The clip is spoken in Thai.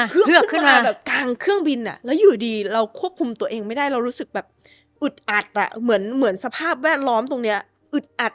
เลือกขึ้นมาแบบกลางเครื่องบินแล้วอยู่ดีเราควบคุมตัวเองไม่ได้เรารู้สึกแบบอึดอัดอ่ะเหมือนสภาพแวดล้อมตรงนี้อึดอัด